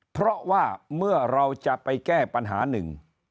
เพราะว่าเมื่อเราจะไปแก้ปัญหาหนึ่ง